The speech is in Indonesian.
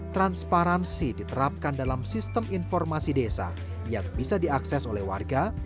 transparansi diterapkan dalam sistem informasi desa yang bisa diakses oleh warga